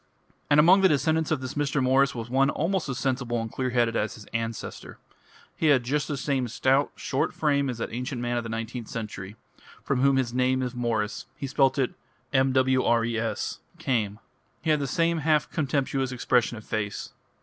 And among the descendants of this Mr. Morris was one almost as sensible and clear headed as his ancestor. He had just the same stout, short frame as that ancient man of the nineteenth century, from whom his name of Morris he spelt it Mwres came; he had the same half contemptuous expression of face.